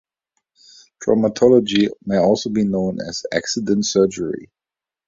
Traumatology may also be known as "accident surgery".